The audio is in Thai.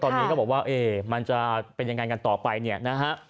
ตอนนี้ก็บอกว่ามันจะเป็นยังไงกันต่อไปเนี่ยนะฮะ